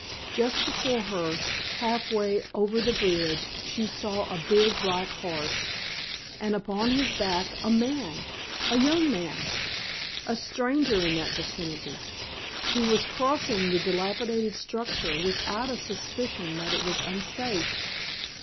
Just before her, half way over the bridge, she saw a big black horse, and upon his back a man a young man a stranger in that vicinity. He was crossing the dilapidated structure without a suspicion that it was unsafe.